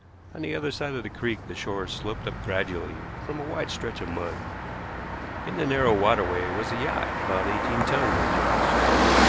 On the other side of the creek the shore sloped up gradually from a wide stretch of mud. In the narrow waterway was a yacht, about eighteen tons, I judged.